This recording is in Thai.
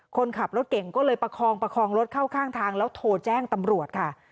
คนขับรถเก่งก็เลยประคองประคองรถเข้าข้างทางแล้วโทรแจ้งตำรวจค่ะ